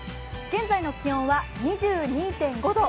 現在の気温は２２．５度。